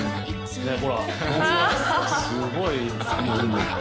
すごい。